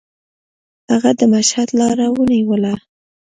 هغه د مشهد لاره ونیوله.